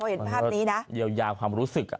เฉยความรูสึก